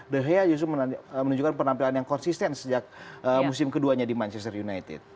the hea justru menunjukkan penampilan yang konsisten sejak musim keduanya di manchester united